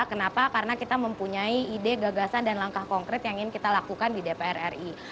kenapa karena kita mempunyai ide gagasan dan langkah konkret yang ingin kita lakukan di dpr ri